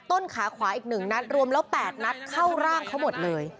ต้นขาขวาอีก๑นัดรวมแล้ว๘นัดเข้าร่างเขาหมดเลย